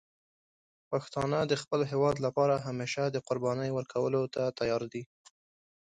پښتانه د خپل هېواد لپاره همیشه د قربانی ورکولو ته تیار دي.